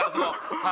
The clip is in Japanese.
はい。